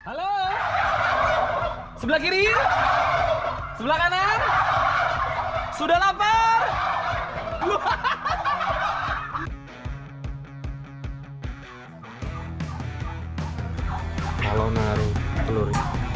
halo sebelah kiri sebelah kanan sudah lapar telur